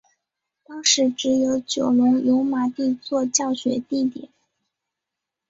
当时只有九龙油麻地作教学地点。